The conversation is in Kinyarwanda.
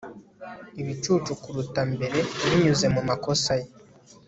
Ibicucu kuruta mbere binyuze mumakosa ye